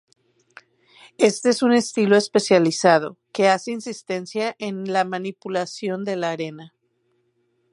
Este es un estilo especializado, que hace insistencia en la manipulación de la arena.